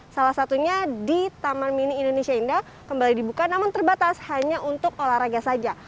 salah satunya di taman mini indonesia indah kembali dibuka namun terbatas hanya untuk olahraga saja